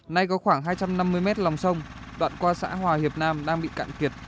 nay có khoảng hai trăm năm mươi mét lòng sông đoạn qua xã hòa hiệp nam đang bị cạn kiệt